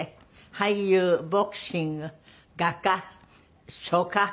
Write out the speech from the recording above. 俳優ボクシング画家書家そしてヨガ。